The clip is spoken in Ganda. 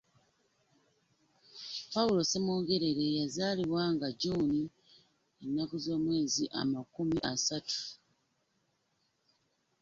Paul Ssemwogerere yazaalibwa nga June ennaku z'omwezi amakumi asatu.